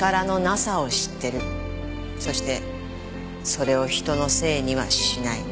そしてそれを人のせいにはしない。